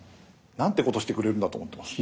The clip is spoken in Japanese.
なんてことしてくれるんだと思ってます。